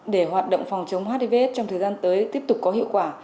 để hoạt động phòng chống hiv s trong thời gian tới tiếp tục có hiệu quả